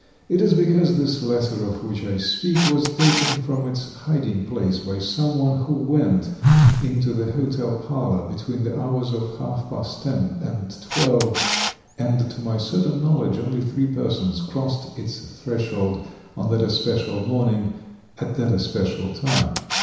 It is because this letter of which I speak was taken from its hiding place by some one who went into the hotel parlor between the hours of half past ten and twelve, and to my certain knowledge only three persons crossed its threshold on that especial morning at that especial time.